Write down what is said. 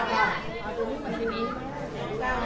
สวัสดีค่ะ